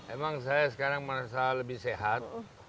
emang saya sekarang merasa lebih sehat